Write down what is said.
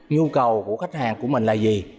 nhu cầu của khách hàng của mình là gì